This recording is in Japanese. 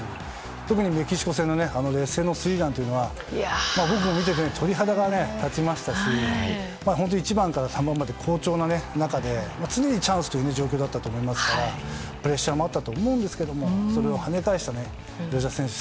特にメキシコ戦のスリーランというのは僕が見てて、鳥肌が立ちましたし１番から３番まで好調な中で常にチャンスでしたからプレッシャーもあったと思うんですがそれを跳ね返した吉田選手